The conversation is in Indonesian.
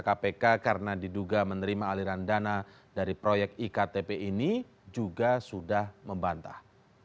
dpr yang pernah diperiksa kpk karena diduga menerima aliran dana dari proyek iktp ini juga sudah membantah